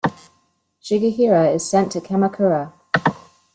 Shigehira is sent to Kamakura.